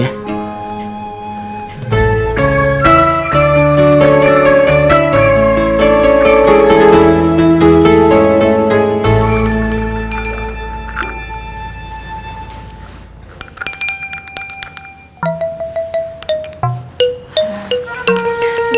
ayah disuruh jijikin